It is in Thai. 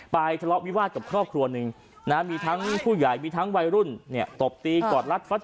ทะเลาะวิวาสกับครอบครัวหนึ่งนะมีทั้งผู้ใหญ่มีทั้งวัยรุ่นเนี่ยตบตีกอดรัดฟัด